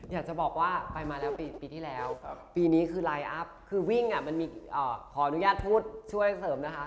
อยากจะบอกว่าไปมาแล้วปีที่แล้วปีนี้คือไลน์อัพคือวิ่งมันมีขออนุญาตพูดช่วยเสริมนะคะ